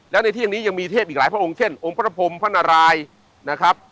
และในเที่ยงนี้ยังมีเทพอีกหลายพระองค์เช่นองค์พระพรมพระนารายนะครับ